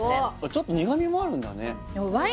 ちょっと苦味もあるんだね